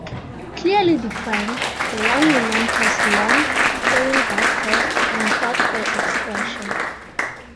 Clearly defined, the young woman has long, flowing dark hair and a thoughtful expression.